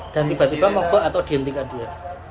dan tiba tiba ngobrol atau dihentikan dia